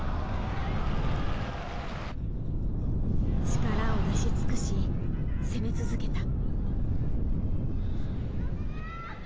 力を出し尽くし攻め続けた。